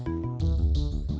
tidak bisa diandalkan